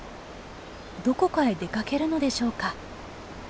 どこかへ出かけるのでしょうか？